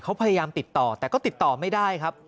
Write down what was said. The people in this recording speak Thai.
เขาพยายามติดต่อแต่ก็ติดต่อไม่ได้ครับ